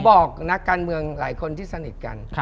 บอกนักการเมืองหลายคนที่สนิทกัน